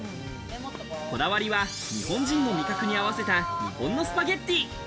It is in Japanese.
こだわりは日本人の味覚に合わせた日本のスパゲッティ。